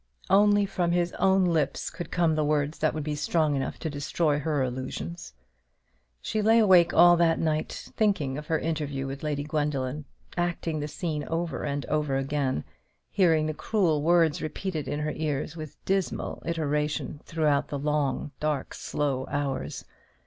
Only from his own lips could come the words that would be strong enough to destroy her illusions. She lay awake all that night thinking of her interview with Lady Gwendoline, acting the scene over and over again; hearing the cruel words repeated in her ears with dismal iteration throughout the dark slow hours.